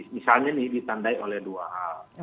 misalnya nih ditandai oleh dua hal